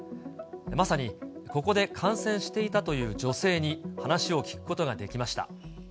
まさにここで観戦していたという女性に話を聞くことができました。